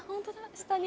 下に。